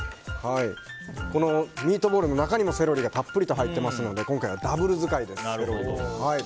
このミートボールの中にもセロリがたっぷりと入ってますので今回はダブル使いです。